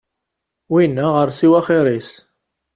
Win aɣersiw axir-is.